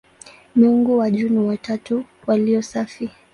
Miungu wa juu ni "watatu walio safi".